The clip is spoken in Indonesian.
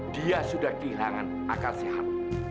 dia sudah kehilangan akal sehat